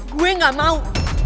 gue gak mau